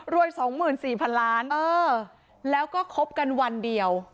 รวยสองหมื่นสี่พันล้านแล้วก็คบกันวันเดียว